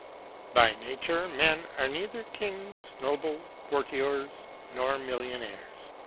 By nature men are neither kings, nobles, courtiers, nor millionaires.